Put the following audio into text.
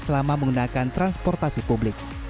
selama menggunakan transportasi publik